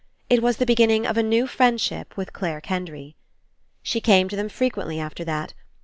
It was the beginning of a new friendship with Clare Ken dry. She came to them frequently after that.